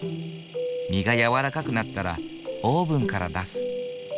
実が軟らかくなったらオーブンから出す。